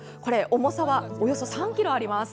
重さは、およそ３ｋｇあります。